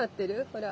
ほら。